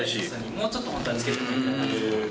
もうちょっと本当は漬けてもいいかなって。